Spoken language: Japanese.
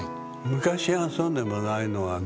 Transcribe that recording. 昔はそうでもないのはね。